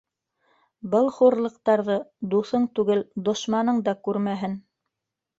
Был хурлыҡтарҙы дуҫың түгел, дошманың да күрмәһен!